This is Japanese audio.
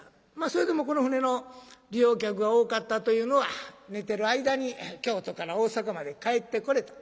それでもこの船の利用客が多かったというのは寝てる間に京都から大坂まで帰ってこれた。